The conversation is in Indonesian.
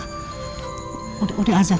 ander minta maaf ya mbak